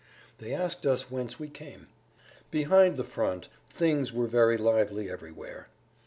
They asked us whence we came. Behind the front things were very lively everywhere.